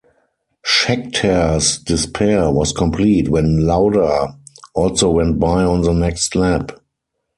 Scheckter's despair was complete when Lauda also went by on the next lap.